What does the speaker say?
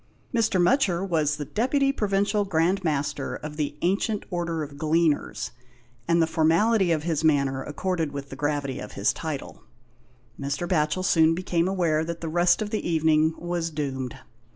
Mr. Mutcher was the Deputy Provincial Grand Master of the Ancient Order of Gleaners, and the formality of his manner accorded with the gravity of his title. Mr. Batchel soon became aware that the rest of the evening was doomed.